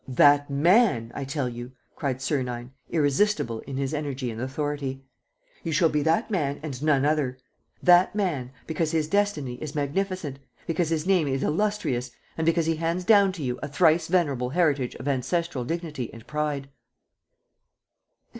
..." "That man, I tell you!" cried Sernine, irresistible in his energy and authority. "You shall be that man and none other! That man, because his destiny is magnificent, because his name is illustrious, and because he hands down to you a thrice venerable heritage of ancestral dignity and pride."